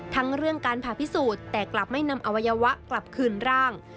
ทั้งเรื่องการผ่าพิสูจน์แต่กลับไม่นำอวัยวะกลับคืนร่าง